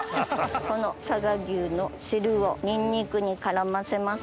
この佐賀牛の汁をニンニクに絡ませますので。